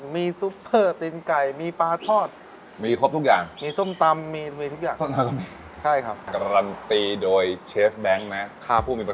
มีซุปเพอตี๋นไก่มีปลาทอดมีครบทุกอย่างมีส้มตำมี